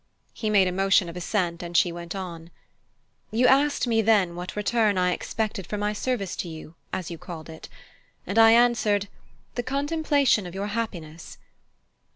He made a motion of assent, and she went on: "You asked me then what return I expected for my service to you, as you called it; and I answered, the contemplation of your happiness.